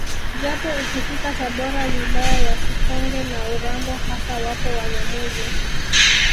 Japo ukifika Tabora wilaya ya Sikonge na Urambo hasa wapo Wanyamwezi